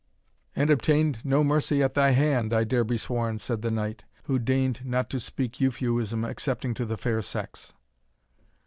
"And obtained no mercy at thy hand, I dare be sworn," said the knight, who deigned not to speak Euphuism excepting to the fair sex.